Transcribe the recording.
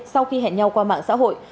sau khi hẹn nhau qua mạng xã hội